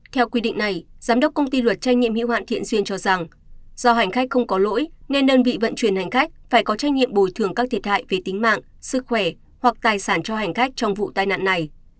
ba theo quy định này giám đốc công ty luật tranh nhiệm hữu hạn thiện duyên cho rằng do hành khách không có lỗi nên đơn vị vận chuyển hành khách phải có tranh nhiệm bùi thường các thiệt hại về tính mạng sức khỏe hoặc tài sản cho hành khách trong vụ tai nạn này